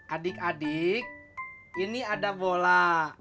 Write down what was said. adik adik ini ada bola